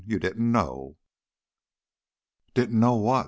You didn't know." "Didn't know what?"